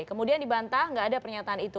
kemudian dibantah nggak ada pernyataan itu